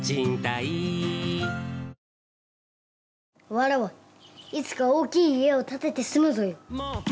わらわは、いつか大きい家を建てて住むぞよ。